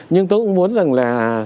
nhưng tôi cũng muốn rằng là